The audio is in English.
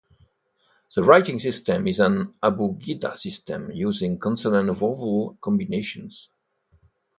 The writing system is an abugida system using consonant-vowel combinations.